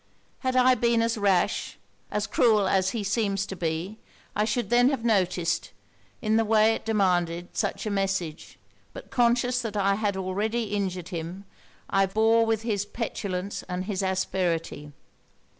Had I been as rash, as cruel as he seems to be, I should then have noticed, in the way it demanded, such a message: but conscious that I had already injured him, I bore with his petulance and his asperity.